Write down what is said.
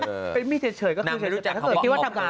นางไม่รู้จักคำว่าออกตัวค่า